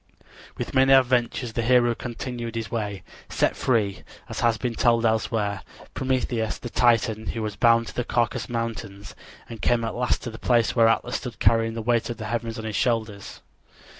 With many adventures the hero continued his way, set free, as has been told elsewhere, Prometheus, the Titan, who was bound to the Caucasus Mountains, and came at last to the place where Atlas stood carrying the weight of the heavens on his shoulders.